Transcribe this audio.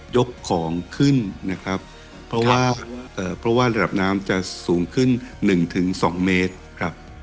ยกของขึ้นนะครับเพราะว่าระดับน้ำจะสูงขึ้น๑๒เมตรครับ